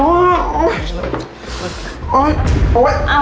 ไม่ต้องกลับมาที่นี่